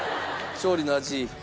勝利の味。